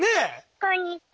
こんにちは。